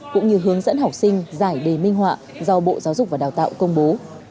cũng như hướng dẫn học sinh giải đề minh họa do bộ giáo dục và đào tạo công bố